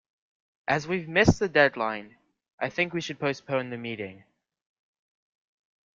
As we've missed the deadline, I think we should postpone the meeting.